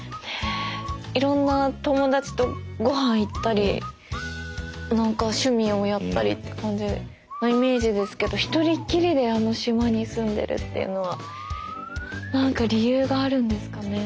いろんな友達とごはん行ったり何か趣味をやったりって感じのイメージですけど１人っきりであの島に住んでるっていうのは何か理由があるんですかね？